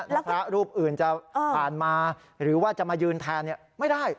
ถ้าพระรูปอื่นจะผ่านมาหรือว่าจะมายืนแทนไม่ได้